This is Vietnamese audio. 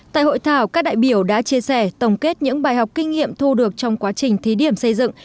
tại hội thảo các đại biểu đã chia sẻ tổng kết những bài học kinh nghiệm thu được trong quá trình thí điểm xây dựng